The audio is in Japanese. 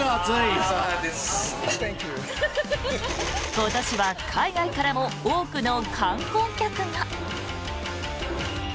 今年は海外からも多くの観光客が。